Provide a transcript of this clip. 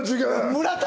村田